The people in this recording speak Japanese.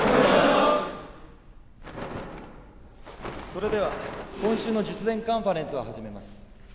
それでは今週の術前カンファレンスを始めます。